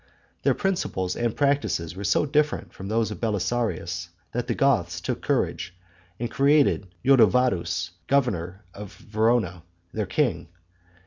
Their principles and practices were so different from those of Belisarius, that the Goths took courage and created Ildovadus, governor of Verona, their king.